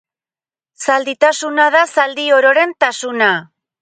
Zalditasuna da zaldi ororen tasuna.